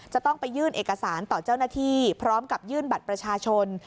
จะต้องไปยื่นเอกสารต่อเจ้าหน้าที่พร้อมกับยื่นบัตรประชาชน